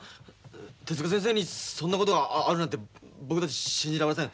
手先生にそんなことがあるなんて僕たち信じられません。